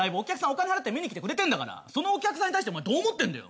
お金払って見に来てくれてるんだからそのお客さんに対してお前どう思ってんのよ？